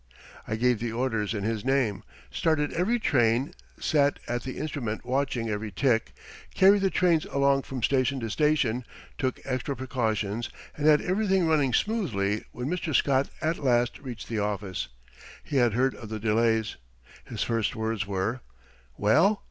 I gave the orders in his name, started every train, sat at the instrument watching every tick, carried the trains along from station to station, took extra precautions, and had everything running smoothly when Mr. Scott at last reached the office. He had heard of the delays. His first words were: "Well!